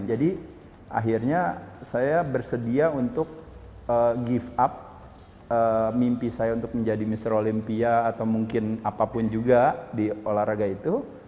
jadi akhirnya saya bersedia untuk give up mimpi saya untuk menjadi mr olympia atau mungkin apapun juga di olahraga itu